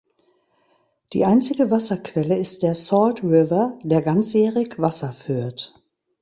Die einzige Wasserquelle ist der Salt River, der ganzjährig Wasser führt.